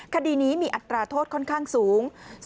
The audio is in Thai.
คดีนี้มีอัตราโทษค่อนข้างสูง